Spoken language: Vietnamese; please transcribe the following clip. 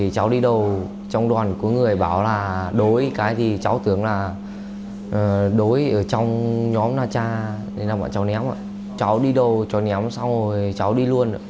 cháu đi đâu cháu ném xong rồi cháu đi luôn